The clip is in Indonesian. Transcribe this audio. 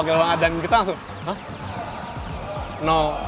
pake lawan adam kita langsung hah